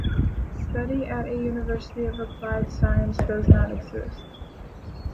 Study at a university of applied science does not exist.